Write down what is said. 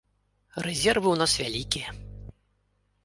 Рэзервы ў нас вялікія.